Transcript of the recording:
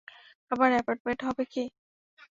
আমার অ্যাপয়েন্টমেন্ট হবে কী?